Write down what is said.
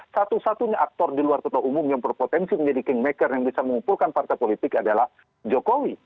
satu satunya aktor di luar kota umum yang berpotensi menjadi kingmaker yang bisa mengumpulkan partai politik adalah jokowi